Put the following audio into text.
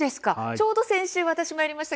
ちょうど先週、私もやりました。